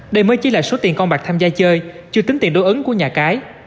đây mới chỉ là số tiền con bạc tham gia chơi chưa tính tiền đối ứng của nhà cái